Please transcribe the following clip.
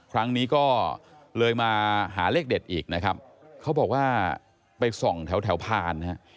ครั้งนี้ก็เลยมาหาเลขเด็ดอีกนะครับเขาบอกว่าไปส่องแถวแถวพานนะฮะ